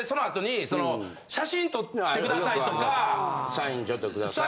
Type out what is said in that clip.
サインちょっとくださいとか。